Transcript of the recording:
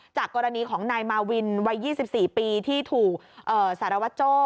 กรณีของนายมาวินวัย๒๔ปีที่ถูกสารวัตโจ้